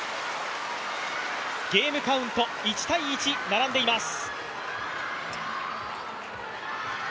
ゲームカウント１−１、並んでいます。